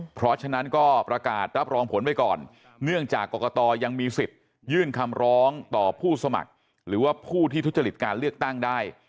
เพราะฉะนั้นก็ประกาศรับรองผลไปก่อนเนื่องจากกรกตยังมีสิทธิ์ยื่นคำร้องต่อผู้สมัครหรือว่าผู้ที่ทุจริตการเลือกตั้งได้